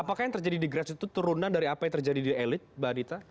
apakah yang terjadi di grass itu turunan dari apa yang terjadi di elit mbak adita